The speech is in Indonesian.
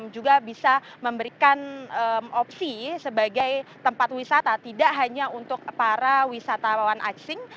juga bisa memberikan opsi sebagai tempat wisata tidak hanya untuk para wisatawan asing